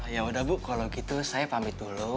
yaudah bu kalau gitu saya pamit dulu